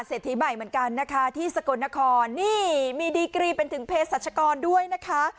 ทีใหม่เหมือนกันนะคะที่สกลนครนี่มีดีกรีเป็นถึงเพศรัชกรด้วยนะคะ